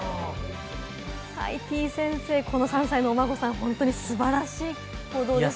てぃ先生、この３歳のお孫さん、本当に素晴らしい行動ですよね。